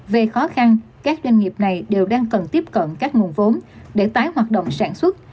về khó khăn các doanh nghiệp này đều đang cần tiếp cận các nguồn vốn để tái hoạt động sản xuất